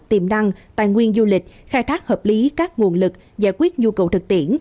tiềm năng tài nguyên du lịch khai thác hợp lý các nguồn lực giải quyết nhu cầu thực tiễn